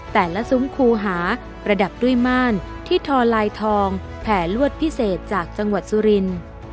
ซุ้มคูหาประดับด้วยม่านที่ทอลายทองแผลลวดพิเศษจากจังหวัดสุรินทร์